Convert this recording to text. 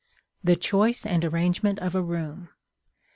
THE CHOICE AND ARRANGEMENT OF A ROOM.